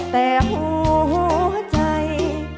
แต่หัวใจ